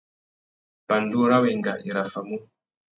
Pandú râ wenga i raffamú.